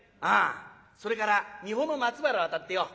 それから三保松原渡ってよ